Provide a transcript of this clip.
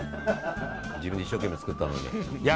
自分で一生懸命作ったのに。